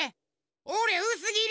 おれうすぎり！